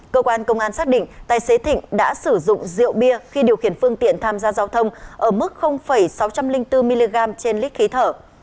cơ quan công an xác định tài xế thịnh đã sử dụng rượu bia khi điều khiển phương tiện tham gia giao thông ở mức sáu trăm linh bốn mg trên lít khí thở